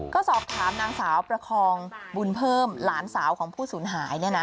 ก็สอบถามนางสาวประครองบุญเพิ่มหลานสาวของผู้ศูนย์หายเนี่ยนะ